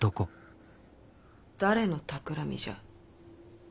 誰のたくらみじゃ？